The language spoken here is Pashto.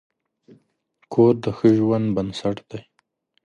کور د ښه ژوند بنسټ دی.